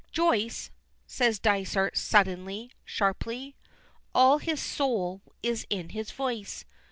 "Joyce," says Dysart suddenly, sharply. All his soul is in his voice.